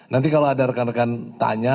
nanti kalau ada rekan rekan tanya